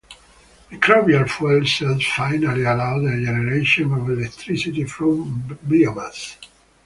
Microbial fuel cells finally allow the generation of electricity from biomass.